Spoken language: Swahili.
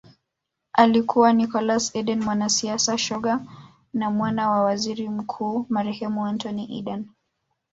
Alikuwa Nicholas Eden mwanasiasa shoga na mwana wa Waziri Mkuu marehemu Anthony Eden